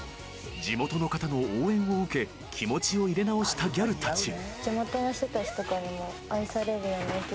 ［地元の方の応援を受け気持ちを入れ直したギャルたち］